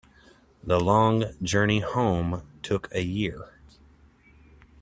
The long journey home took a year.